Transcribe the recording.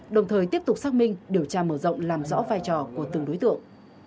đồng thời tiếp tục xác minh điều tra mở rộng làm rõ vai trò của từng đối tượng